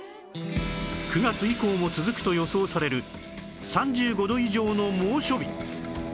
９月以降も続くと予想される３５度以上の猛暑日